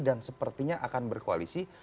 dan sepertinya akan berkoalisi